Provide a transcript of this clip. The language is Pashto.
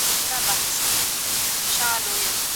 تر هغه چې اوبه تصفیه شي، خلک به ناروغ نه شي.